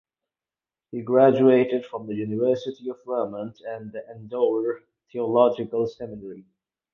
He graduated from the University of Vermont and the Andover Theological Seminary.